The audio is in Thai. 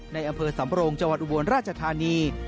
ในอำเภอสำโรงจอุวรราชธานี